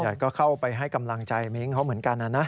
ส่วนใหญ่ก็เข้าไปให้กำลังใจมิ้งเขาเหมือนกันน่ะนะ